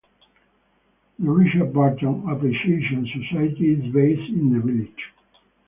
The Richard Burton Appreciation Society is based in the village.